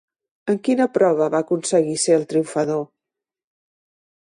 En quina prova va aconseguir ser el triomfador?